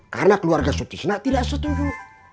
karena keluarga sutisna tidak setuju